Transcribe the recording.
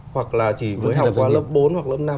hoặc là chỉ với học qua lớp bốn hoặc lớp năm